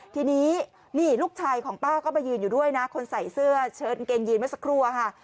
ทีนี้นี่ลูกชายของป้าก็มายืนอยู่ด้วยนะคนใส่เสื้อเชิดกางเกงยีนเมื่อสักครู่ค่ะ